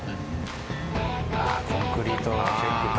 ああコンクリートチェックか。